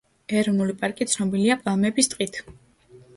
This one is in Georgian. ეროვნული პარკი ცნობილია პალმების ტყით.